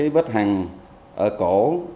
vết hằng ở cổ